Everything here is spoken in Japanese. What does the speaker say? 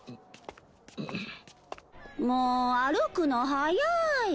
もう歩くの速い。